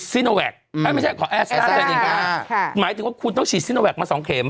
ซิโนแหตกไม่ใช่ขอค่ะหมายถึงว่าคุณต้องฉีดซิโนแหตกมาสองเข็ม